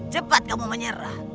cepat kamu menyerah